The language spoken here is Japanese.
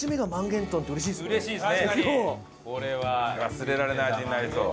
忘れられない味になりそう。